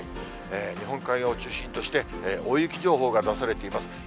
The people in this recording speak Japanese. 日本海側を中心として、大雪情報が出されています。